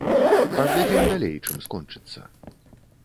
Паглядзім далей, чым скончыцца.